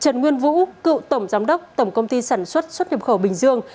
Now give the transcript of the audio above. trần nguyên vũ cựu tổng giám đốc tổng công ty sản xuất xuất nhập khẩu bình dương